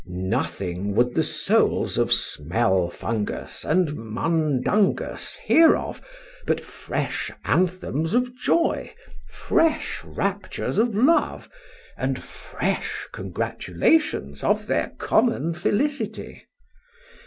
—Nothing would the souls of Smelfungus and Mundungus hear of, but fresh anthems of joy, fresh raptures of love, and fresh congratulations of their common felicity.